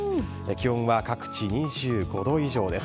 気温は各地２５度以上です。